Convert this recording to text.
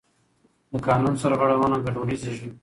د قانون سرغړونه ګډوډي زېږوي